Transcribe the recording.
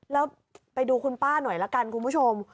แล้วไปดูคุณป้าหน่อยละกันคุณผู้ชม